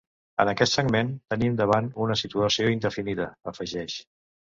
En aquest segment, tenim davant una situació indefinida, afegeix.